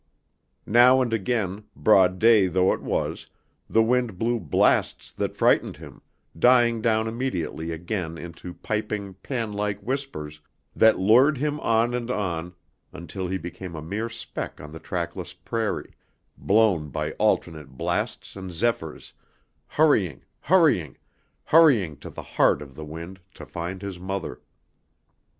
Now and again, broad day though it was, the wind blew blasts that frightened him, dying down immediately again into piping Pan like whispers that lured him on and on until he became a mere speck on the trackless prairie, blown by alternate blasts and zephyrs, hurrying, hurrying, hurrying to the heart of the wind to find his mother.